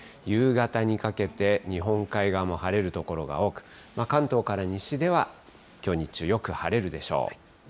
夕方にかけて、日本海側も晴れる所が多く、関東から西では、きょう日中、よく晴れるでしょう。